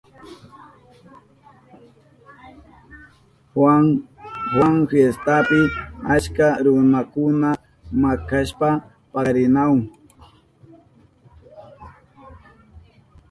Juan fiestapi achka runakuna machashpa pakarinahun.